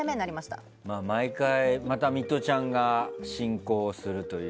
またミトちゃんが進行するという。